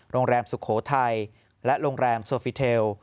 สุโขทัยและโรงแรมโซฟิเทล